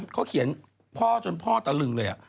เขาเขียนพ่อจนพ่อตะลึงเลย